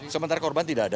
sementara korban tidak ada